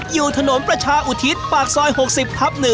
อยู่ถนนประชาอุทิศปากซอย๖๐ทับ๑